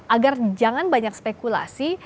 agar jangan banyak spekulasi